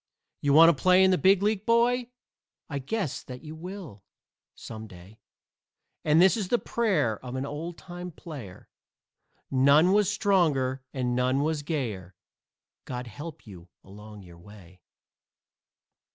You want to play in the Big League, boy? I guess that you will, some day, And this is the prayer of an old time player None was stronger and none was gayer God help you along your way.